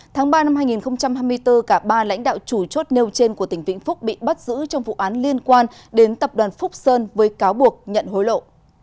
tháng ba năm hai nghìn hai mươi bốn cả ba lãnh đạo chủ chốt nêu trên của tỉnh vĩnh phúc bị bắt giữ trong vụ án liên quan đến tập đoàn phúc sơn với cáo buộc nhận hối lộ